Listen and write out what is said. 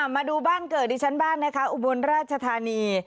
มาดูบ้านเกิดที่ชั้นบ้านนะคะอุบวนราชธานี